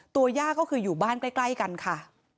ย่าก็คืออยู่บ้านใกล้กันค่ะ